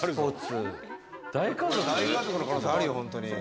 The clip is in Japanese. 大家族の可能性あるよ、本当に。